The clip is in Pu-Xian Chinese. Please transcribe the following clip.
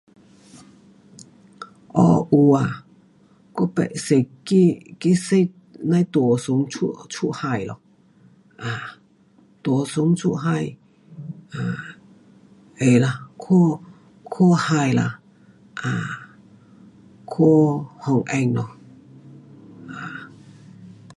um 有啊，我曾坐去，去坐那呐大船出，出海咯，um 大船出海，um 会啦，看，看海啦 um 看风景咯，um